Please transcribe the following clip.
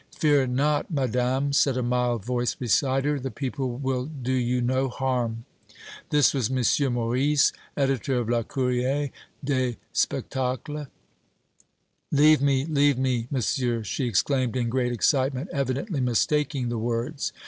"Fear not, Madame," said a mild voice beside her. "The people will do you no harm." This was M. Maurice, editor of "Le Courrier des Spectacles." "Leave me, leave me, Monsieur!" she exclaimed, in great excitement, evidently mistaking the words.